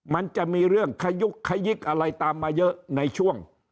มันจะมีเรื่องขยุกขยิกอะไรตามมาเยอะในช่วง